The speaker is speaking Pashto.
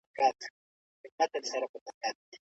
ولي کوښښ کوونکی د هوښیار انسان په پرتله ژر بریالی کېږي؟